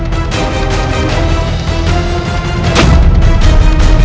sekarang tugasku yang terakhir adalah